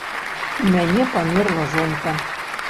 У мяне памерла жонка.